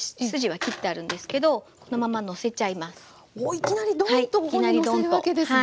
いきなりドンッとここにのせるわけですね。